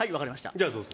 じゃあ、どうぞ。